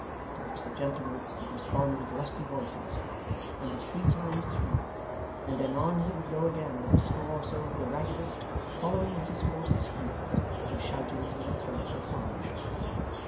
to which the gentlemen would respond with lusty voices, and with three times three; and then, on he would go again with a score or so of the raggedest, following at his horse's heels, and shouting till their throats were parched.